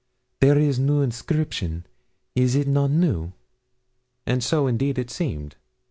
There is new inscription is it not new?' And so, indeed, it seemed.